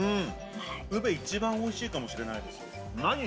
ウベ、一番おいしいかもしれない。